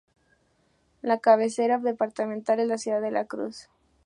La cabecera departamental es la ciudad de La Cruz.